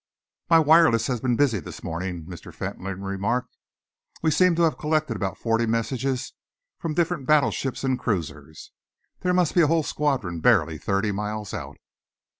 "My wireless has been busy this morning," Mr. Fentolin remarked. "We seem to have collected about forty messages from different battleships and cruisers. There must be a whole squadron barely thirty miles out."